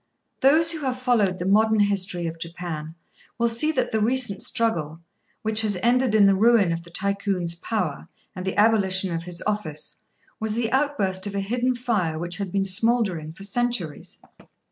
Those who have followed the modern history of Japan will see that the recent struggle, which has ended in the ruin of the Tycoon's power and the abolition of his office, was the outburst of a hidden fire which had been smouldering for centuries.